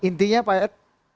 intinya pak ed